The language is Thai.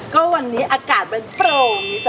ก็วันนี้อากาศมันโปร่ง